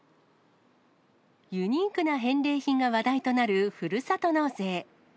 ユニークな返礼品が話題となるふるさと納税。